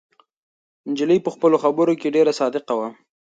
نجلۍ په خپلو خبرو کې ډېره صادقه وه.